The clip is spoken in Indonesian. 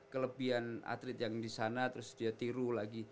kelebihan atlet yang disana terus dia tiru lagi